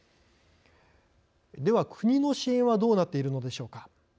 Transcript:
では、国の支援はどうなっているのでしょうか。